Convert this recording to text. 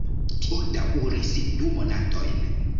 Tio daŭris du monatojn.